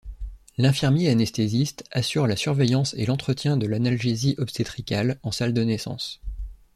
L’infirmier anesthésiste assure la surveillance et l’entretien de l’analgésie obstétricale en salle de naissance.